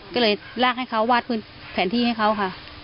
ก็เลยลากให้เขาวาดพื้นแผนที่ให้เขาค่ะ